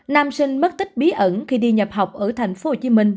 nam sinh mất tích bí ẩn khi đi nhập học ở tp hcm